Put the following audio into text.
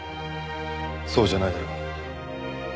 そうじゃないだろ。